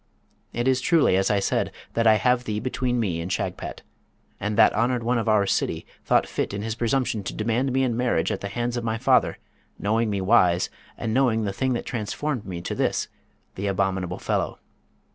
It is truly as I said, that I have thee between me and Shagpat; and that honoured one of this city thought fit in his presumption to demand me in marriage at the hands of my father, knowing me wise, and knowing the thing that transformed me to this, the abominable fellow!